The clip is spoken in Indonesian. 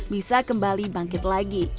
bisa kembali bangkit lagi